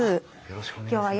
よろしくお願いします。